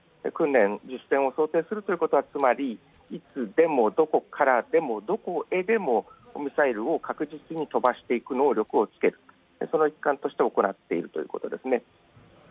実戦を想定するということは、つまり、いつでも、どこからでもどこへでもミサイルを確実に飛ばしていく能力をつける、その一環として行っているということですね。